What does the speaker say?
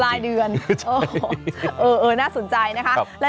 ปลายเดือนเออน่าสนใจนะคะ